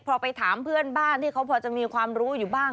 พอไปถามเพื่อนบ้านที่เขาพอจะมีความรู้อยู่บ้าง